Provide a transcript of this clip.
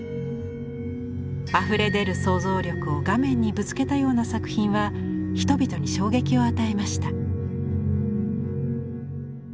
あふれ出る想像力を画面にぶつけたような作品は人々に衝撃を与えました。